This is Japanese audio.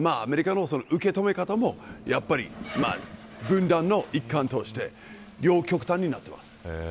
アメリカの受け止め方も分断の一環として両極端になっています。